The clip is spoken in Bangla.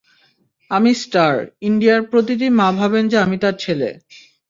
আমি স্টার, ইন্ডিয়ার প্রতিটি মা ভাবেন যে আমি তার ছেলে।